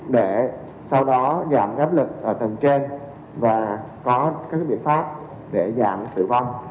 để sau đó giảm áp lực ở tầng trên và có các biện pháp để giảm tử vong